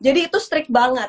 jadi itu strict banget